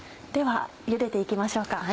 ではゆでて行きましょうか。